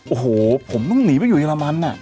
โอ้โหผมมึงหนีแล้วอยู่เยอรมัน